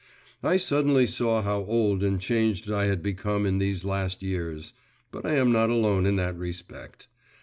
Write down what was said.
I suddenly saw how old and changed I had become in these last years. But I am not alone in that respect.